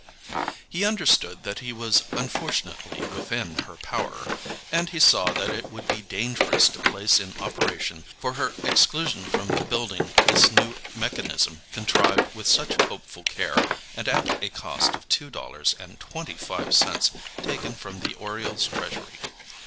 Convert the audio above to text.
He understood that he was unfortunately within her power; and he saw that it would be dangerous to place in operation for her exclusion from the Building this new mechanism contrived with such hopeful care, and at a cost of two dollars and twenty five cents taken from the Oriole's treasury.